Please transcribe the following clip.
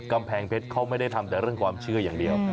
กำแพงเพชรเขาไม่ได้ทำแต่เรื่องความเชื่ออย่างเดียว